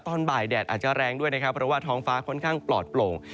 ตอนบ่ายแดดอาจจะแรงด้วยนะครับเพราะว่าท้องฟ้าค่อนข้างปลอดโปร่ง